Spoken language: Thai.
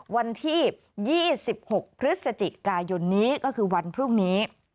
วันที่๒๖พฤศจิกายนนี้ก็คือวันพรุ่งนี้